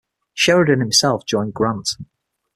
Sheridan himself joined Grant.